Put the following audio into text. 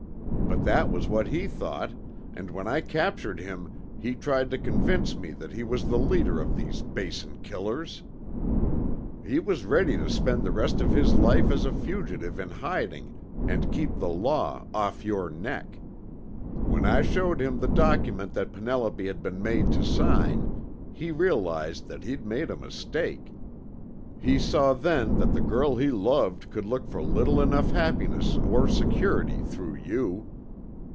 But that was what he thought, and when I captured him he tried to convince me that he was the leader of these Basin killers. He was ready to spend the rest of his life as a fugitive in hiding, and keep the law off your neck. When I showed him the document that Penelope had been made to sign, he realized that he'd made a mistake. He saw then that the girl he loved could look for little enough happiness or security through you.